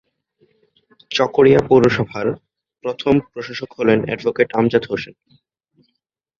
চকরিয়া পৌরসভার প্রথম প্রশাসক হলেন এডভোকেট আমজাদ হোসেন।